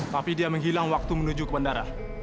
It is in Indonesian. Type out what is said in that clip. tapi dia menghilang waktu menuju ke bandara